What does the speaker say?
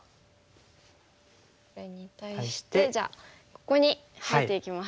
これに対してじゃあここに入っていきます。